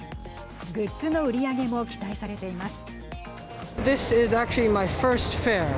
グッズの売り上げも期待されています。